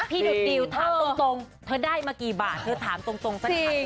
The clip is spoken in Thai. พี่ดูดดิวถามตรงเธอได้มากี่บาทเธอถามตรง